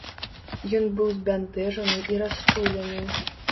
Ён быў збянтэжаны і расчулены.